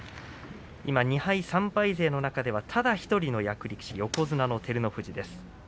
２敗、３敗勢の中ではただ１人の役力士横綱の照ノ富士です。